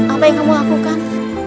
apa yang kamu lakukan